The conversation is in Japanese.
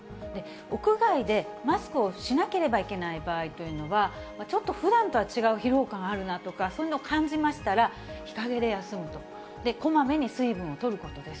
屋外でマスクをしなければいけない場合というのは、ちょっとふだんとは違う疲労感あるなとか、そういうのを感じましたら、日陰で休むと、こまめに水分をとることです。